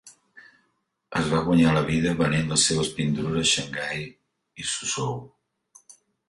Es va guanyar la vida venent les seves pintures a Xangai i Suzhou.